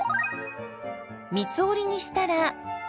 三つ折りにしたら。